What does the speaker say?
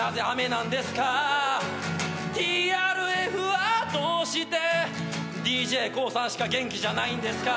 「ＴＲＦはどうして」「ＤＪＫＯＯさんしか元気じゃないんですか？」